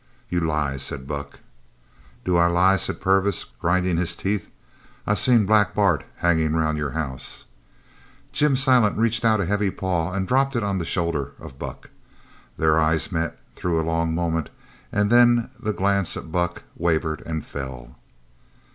"You lie!" said Buck. "Do I lie?" said Purvis, grinding his teeth. "I seen Black Bart hangin' around your house." Jim Silent reached out a heavy paw and dropped it on the shoulder of Buck. Their eyes met through a long moment, and then the glance of Buck wavered and fell.